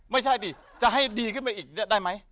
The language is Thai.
ไม่ใช่ดิจะให้ดีขึ้นไปอีกได้ไหม